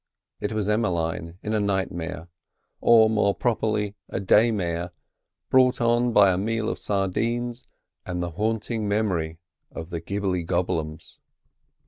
It was Emmeline in a nightmare, or more properly a day mare, brought on by a meal of sardines and the haunting memory of the gibbly gobbly ums.